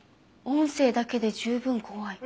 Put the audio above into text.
音声だけで十分怖い。